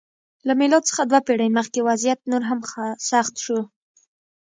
له میلاد څخه دوه پېړۍ مخکې وضعیت نور هم سخت شو.